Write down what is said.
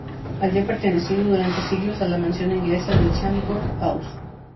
Había pertenecido durante siglos a la mansión inglesa de Chatsworth House.